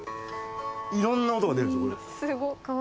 いろんな音が出るんです。